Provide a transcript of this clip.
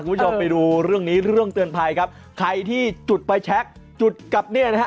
คุณผู้ชมไปดูเรื่องนี้เรื่องเตือนภัยครับใครที่จุดไฟแชคจุดกับเนี่ยนะฮะ